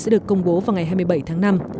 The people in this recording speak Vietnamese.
sẽ được công bố vào ngày hai mươi bảy tháng năm